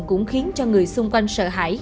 cũng khiến cho người xung quanh sợ hãi